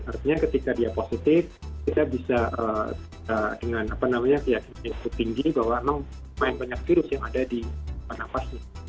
artinya ketika dia positif kita bisa dengan apa namanya ya tinggi bahwa memang banyak virus yang ada di pernafasnya